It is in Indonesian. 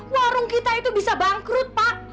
warung kita itu bisa bangkrut pak